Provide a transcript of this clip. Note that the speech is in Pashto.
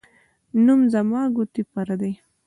نوم زما ، گوتي پردۍ.